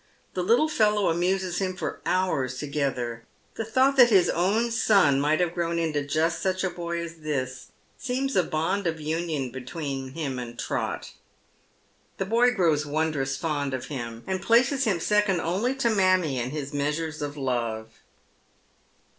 The little fellow amuses him for hours together. The thought that his own son might have grown into just such a boy as this seems a bond of union between him and Trot. The boy grows wondrous fond of him, and places him second only to mammie in his measure of love.